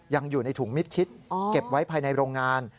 อยู่ในถุงมิดชิดเก็บไว้ภายในโรงงาน